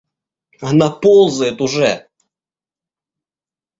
Она ползает уже.